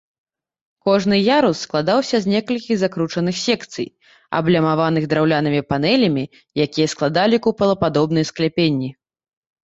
Кожны ярус складаўся з некалькіх закручаных секцый, аблямаваных драўлянымі панэлямі, якія складалі купалападобныя скляпенні.